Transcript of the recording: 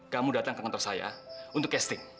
kamu datang ke kantor saya untuk casting